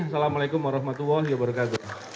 assalamualaikum warahmatullahi wabarakatuh